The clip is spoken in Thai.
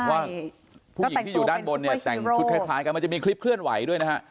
ว่าผู้หญิงที่อยู่ด้านบนเนี่ยแต่งชุดคล้ายกันมันจะมีคลิปเคลื่อนไหวด้วยนะฮะ